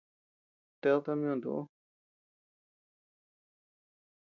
Ted tama yuntu ú.